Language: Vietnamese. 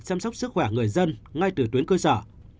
chăm sóc sức khỏe người dân ngay từ tuyến cơ sở